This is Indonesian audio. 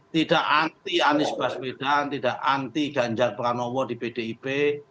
tidak anti anies baswedan tidak anti ganjar pranowo di pdip